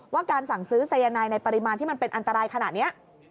ว่าการสั่งซื้อสายนายในปริมาณที่มันเป็นอันตรายขนาดนี้